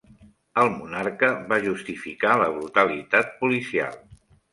El monarca va justificar la brutalitat policial.